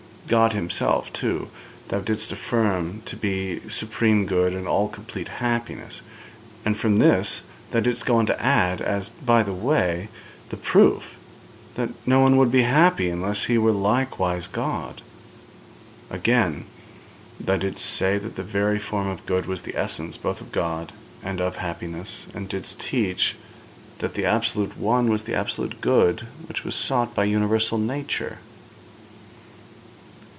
God Himself, too, thou didst affirm to be supreme good and all complete happiness; and from this thou didst go on to add, as by the way, the proof that no one would be happy unless he were likewise God. Again, thou didst say that the very form of good was the essence both of God and of happiness, and didst teach that the absolute One was the absolute good which was sought by universal nature.